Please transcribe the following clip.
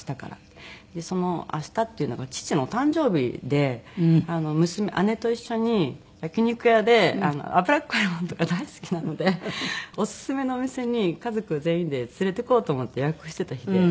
その明日っていうのが父の誕生日で姉と一緒に焼き肉屋で脂っこいものとか大好きなのでオススメのお店に家族全員で連れていこうと思って予約してた日で。